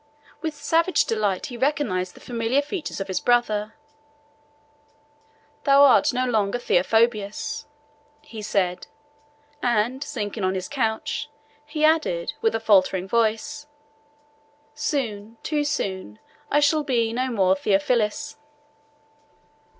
With savage delight he recognized the familiar features of his brother: "Thou art no longer Theophobus," he said; and, sinking on his couch, he added, with a faltering voice, "Soon, too soon, I shall be no more Theophilus!"